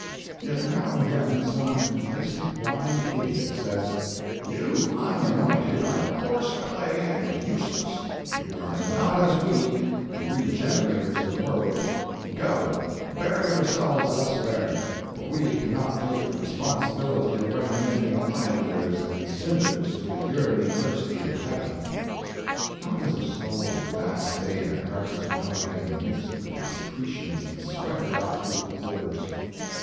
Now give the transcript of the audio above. Yet now and then some complacent blind idiot says, "You unanointed are coarse clay and useless; you are not as we, the regenerators of the world; go, bury yourselves else where, for we cannot take the responsibility of recommending idlers and sinners to the yearning mercy of Heaven." How does a soul like that stay in a carcass without getting mixed with the secretions and sweated out through the pores?